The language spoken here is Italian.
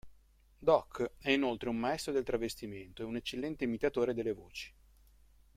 Doc è inoltre un maestro del travestimento e un eccellente imitatore delle voci.